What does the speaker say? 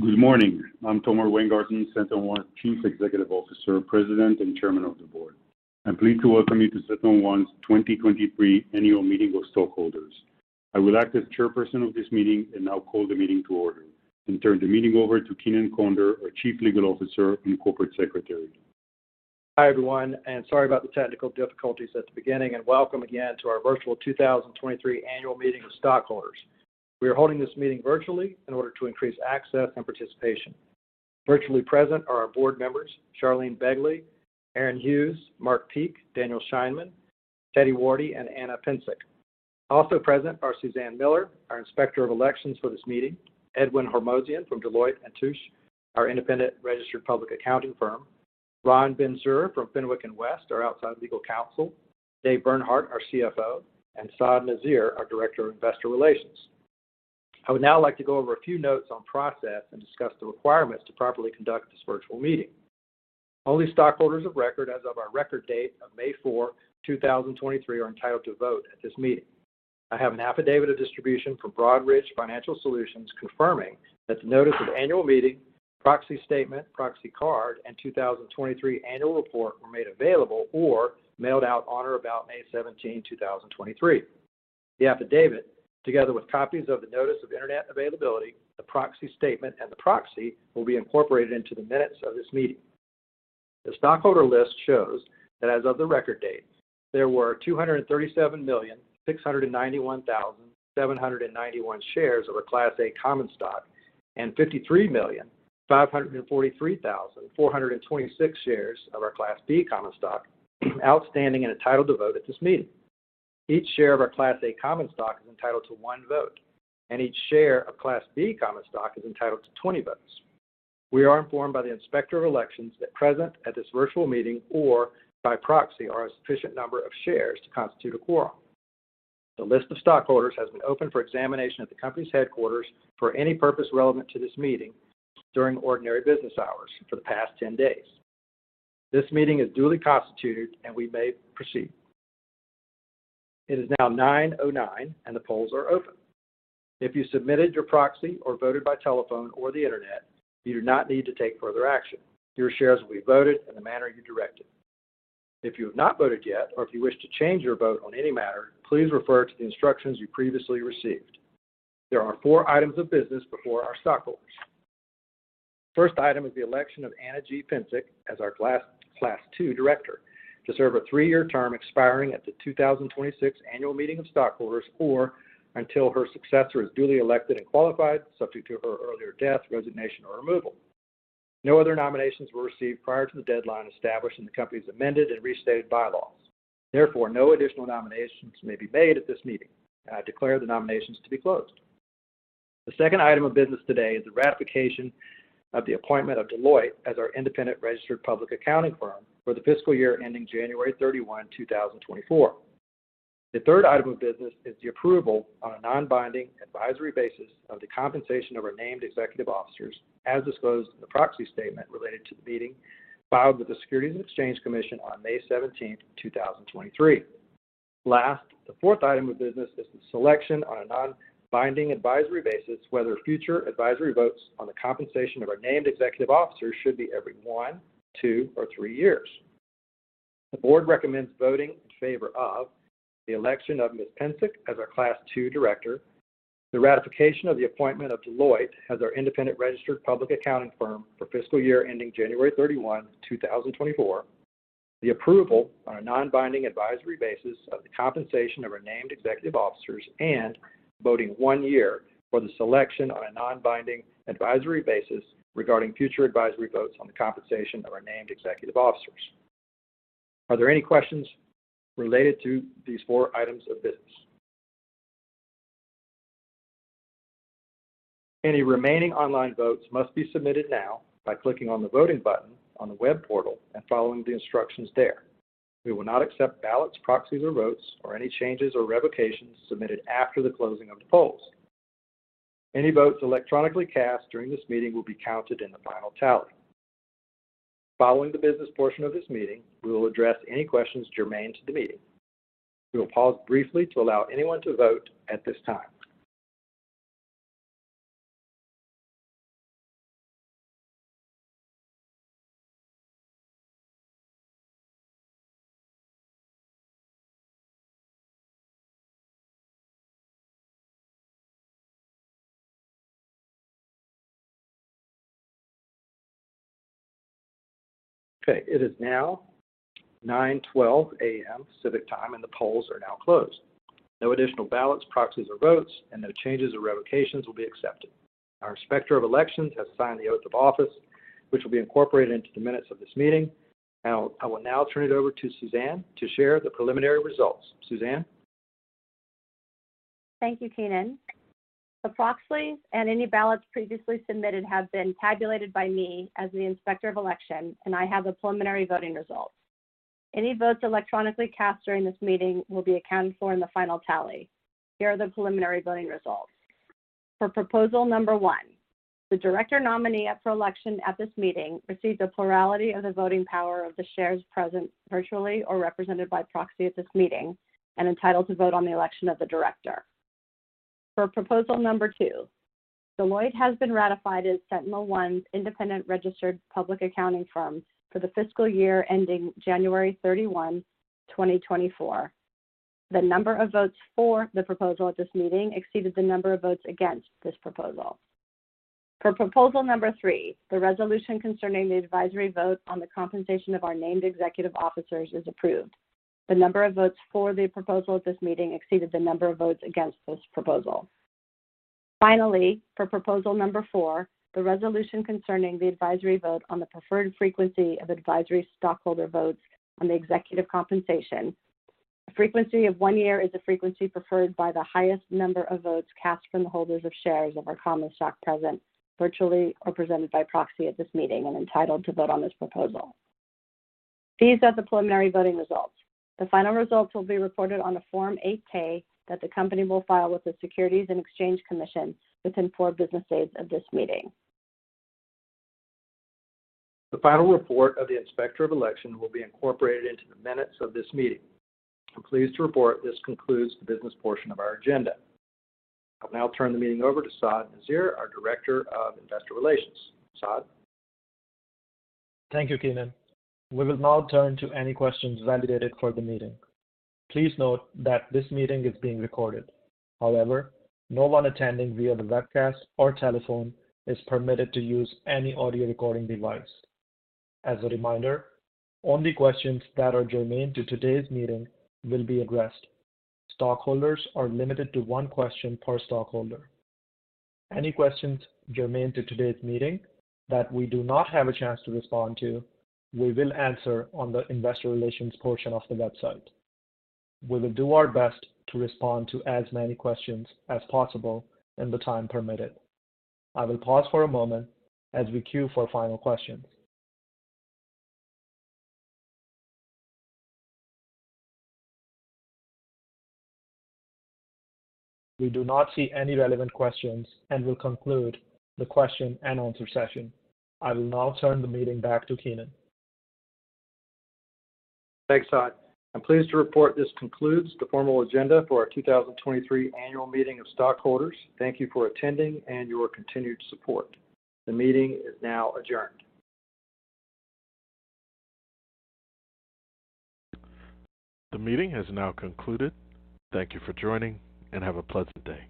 Good morning. I'm Tomer Weingarten, SentinelOne Chief Executive Officer, President, and Chairman of the Board. I'm pleased to welcome you to SentinelOne's 2023 Annual Meeting of Stockholders. I will act as Chairperson of this meeting and now call the meeting to order, and turn the meeting over to Keenan Conder, our Chief Legal Officer and Corporate Secretary. Hi, everyone, sorry about the technical difficulties at the beginning, welcome again to our virtual 2023 Annual Meeting of Stockholders. We are holding this meeting virtually in order to increase access and participation. Virtually present are our board members, Charlene Begley, Aaron Hughes, Mark Peek, Daniel Scheinman, Teddie Wardi, and Ana Pinczuk. Also present are Suzanne Miller, our Inspector of Elections for this meeting, Edwin Hormozian from Deloitte & Touche, our independent registered public accounting firm, Ran Ben-Zur from Fenwick and West, our outside legal counsel, Dave Bernhardt, our CFO, and Saad Nazir, our Director of Investor Relations. I would now like to go over a few notes on process and discuss the requirements to properly conduct this virtual meeting. Only stockholders of record as of our record date of May 4, 2023, are entitled to vote at this meeting. I have an affidavit of distribution from Broadridge Financial Solutions, confirming that the notice of annual meeting, proxy statement, proxy card, and 2023 annual report were made available or mailed out on or about May 17, 2023. The affidavit, together with copies of the notice of internet availability, the proxy statement, and the proxy, will be incorporated into the minutes of this meeting. The stockholder list shows that as of the record date, there were 237,691,791 shares of our Class A common stock and 53,543,426 shares of our Class B common stock outstanding and entitled to vote at this meeting. Each share of our Class A common stock is entitled to one vote, and each share of Class B common stock is entitled to 20 votes. We are informed by the inspector of elections that present at this virtual meeting or by proxy, are a sufficient number of shares to constitute a quorum. The list of stockholders has been open for examination at the company's headquarters for any purpose relevant to this meeting during ordinary business hours for the past 10 days. This meeting is duly constituted, and we may proceed. It is now 9:09 A.M., and the polls are open. If you submitted your proxy or voted by telephone or the Internet, you do not need to take further action. Your shares will be voted in the manner you directed. If you have not voted yet, or if you wish to change your vote on any matter, please refer to the instructions you previously received. There are four items of business before our stockholders. First item is the election of Ana G. Pinczuk as our Class II director to serve a 3-year term expiring at the 2026 Annual Meeting of Stockholders, or until her successor is duly elected and qualified, subject to her earlier death, resignation, or removal. No other nominations were received prior to the deadline established in the company's amended and restated bylaws. Therefore, no additional nominations may be made at this meeting. I declare the nominations to be closed. The second item of business today is the ratification of the appointment of Deloitte as our independent registered public accounting firm for the fiscal year ending January 31, 2024. The third item of business is the approval on a non-binding advisory basis of the compensation of our named executive officers, as disclosed in the proxy statement related to the meeting filed with the Securities and Exchange Commission on May 17th, 2023. Last, the fourth item of business is the selection on a non-binding advisory basis, whether future advisory votes on the compensation of our named executive officers should be every 1, 2, or 3 years. The board recommends voting in favor of the election of Ms. Pinczuk as our Class II director. The ratification of the appointment of Deloitte as our independent registered public accounting firm for fiscal year ending January 31, 2024, the approval on a non-binding advisory basis of the compensation of our named executive officers, and voting one year for the selection on a non-binding advisory basis regarding future advisory votes on the compensation of our named executive officers. Are there any questions related to these four items of business? Any remaining online votes must be submitted now by clicking on the voting button on the web portal and following the instructions there. We will not accept ballots, proxies, or votes, or any changes or revocations submitted after the closing of the polls. Any votes electronically cast during this meeting will be counted in the final tally. Following the business portion of this meeting, we will address any questions germane to the meeting. We will pause briefly to allow anyone to vote at this time. It is now 9:12 A.M. Pacific Time, and the polls are now closed. No additional ballots, proxies or votes, and no changes or revocations will be accepted. Our Inspector of Elections has signed the oath of office, which will be incorporated into the minutes of this meeting. I will now turn it over to Suzanne to share the preliminary results. Suzanne? Thank you, Keenan. The proxies and any ballots previously submitted have been tabulated by me as the Inspector of Election. I have the preliminary voting results. Any votes electronically cast during this meeting will be accounted for in the final tally. Here are the preliminary voting results. For proposal number 1, the director nominee up for election at this meeting received a plurality of the voting power of the shares present, virtually or represented by proxy at this meeting, and entitled to vote on the election of the director. For proposal number 2, Deloitte has been ratified as SentinelOne's independent registered public accounting firm for the fiscal year ending January 31, 2024. The number of votes for the proposal at this meeting exceeded the number of votes against this proposal. For proposal number 3, the resolution concerning the advisory vote on the compensation of our named executive officers is approved. The number of votes for the proposal at this meeting exceeded the number of votes against this proposal. Finally, for proposal number 4, the resolution concerning the advisory vote on the preferred frequency of advisory stockholder votes on the executive compensation, a frequency of one year is the frequency preferred by the highest number of votes cast from the holders of shares of our common stock present, virtually or presented by proxy at this meeting, and entitled to vote on this proposal. These are the preliminary voting results. The final results will be reported on the Form 8-K that the company will file with the Securities and Exchange Commission within four business days of this meeting. The final report of the Inspector of Election will be incorporated into the minutes of this meeting. I'm pleased to report this concludes the business portion of our agenda. I'll now turn the meeting over to Saad Nazir, our Director of Investor Relations. Saad? Thank you, Keenan. We will now turn to any questions validated for the meeting. Please note that this meeting is being recorded. No one attending via the webcast or telephone is permitted to use any audio recording device. As a reminder, only questions that are germane to today's meeting will be addressed. Stockholders are limited to one question per stockholder. Any questions germane to today's meeting that we do not have a chance to respond to, we will answer on the investor relations portion of the website. We will do our best to respond to as many questions as possible in the time permitted. I will pause for a moment as we queue for final questions. We do not see any relevant questions. We'll conclude the question and answer session. I will now turn the meeting back to Keenan. Thanks, Saad. I'm pleased to report this concludes the formal agenda for our 2023 annual meeting of stockholders. Thank you for attending and your continued support. The meeting is now adjourned. The meeting has now concluded. Thank you for joining, and have a pleasant day.